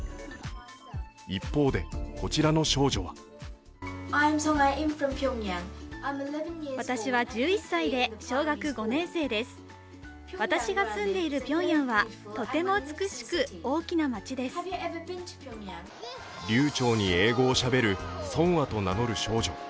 一方でこちらの少女は流ちょうに英語をしゃべるソンアと名乗る少女。